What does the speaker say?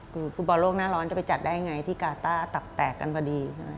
คือฟุตบอลโลกหน้าร้อนจะไปจัดได้ไงที่กาต้าตับแตกกันพอดี